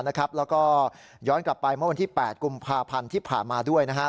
แล้วก็ย้อนกลับไปเมื่อวันที่๘กุมภาพันธ์ที่ผ่านมาด้วยนะครับ